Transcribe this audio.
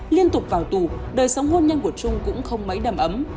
liên tục vào tù đời sống hôn nhân của trung cũng không mấy đầm ấm